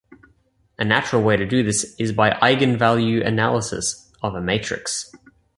A natural way to do this is by eigenvalue analysis of a matrix.